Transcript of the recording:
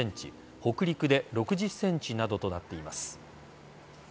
北陸で６０ｃｍなどとなっています。